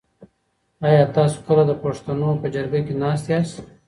آیا تاسو کله د پښتنو په جرګه کي ناست یاست؟